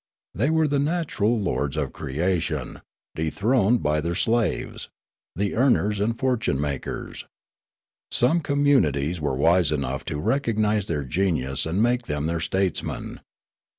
They were the natural lords of creation, dethroned by their slaves, the earners and fortune makers. Some communities were wise enough to recognise their genius and make them their statesmen.